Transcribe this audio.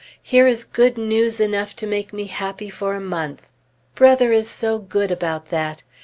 Here is good news enough to make me happy for a month! Brother is so good about that!